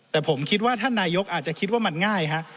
แต่ผมคิดว่าท่านนายกอาจจะคิดว่ามันง่ายฮะ